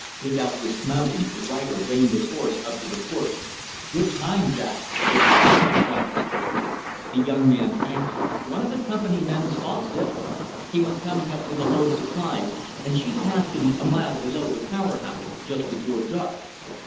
Without dismounting, the rider reined his horse up to the porch. "Good time, Jack," said the officer, quietly. The young man answered, "One of the company men saw Sibyl. He was coming up with a load of supplies and she passed him a mile below the Power House just before dark.